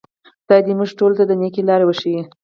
خدای دې موږ ټولو ته د نیکۍ لار وښیي.